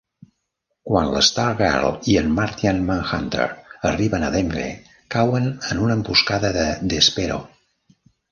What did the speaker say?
Quan la Stargirl i en Martian Manhunter arriben a Denver, cauen en una emboscada de Despero.